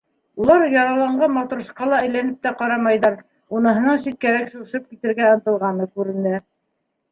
Улар яраланған матросҡа ла әйләнеп тә ҡарамайҙар, уныһының ситкәрәк шыуышып китергә ынтылғаны күренә.